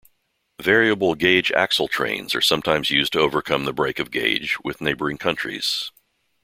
Variable-gauge-axle trains are sometimes used to overcome the break of gauge with neighboring countries.